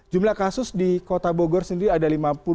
jumlah kasus di kota bogor sendiri ada lima puluh